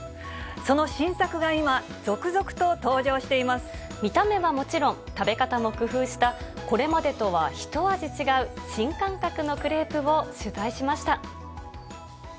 その新作が今、続々と登場してい見た目はもちろん、食べ方も工夫した、これまでとはひと味違う新感覚のクレープを取材しました。